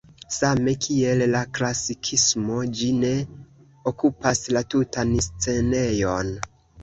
Same kiel la klasikismo ĝi ne okupas la tutan scenejon.